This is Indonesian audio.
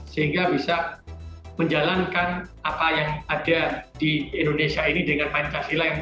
sehingga bisa menjalankan apa yang ada di indonesia ini dengan pancasila yang